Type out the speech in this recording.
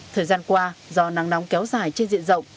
thời gian qua do nắng nóng kéo dài trên diện rộng